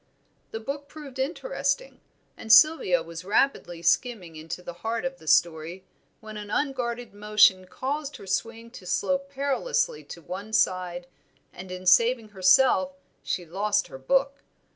The book proved interesting, and Sylvia was rapidly skimming into the heart of the story, when an unguarded motion caused her swing to slope perilously to one side, and in saving herself she lost her book.